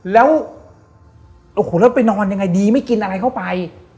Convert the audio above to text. แล้วไปนอนยังไงดีไม่กินอะไรเข้าไป